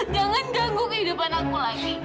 jangan ganggu kehidupan aku lagi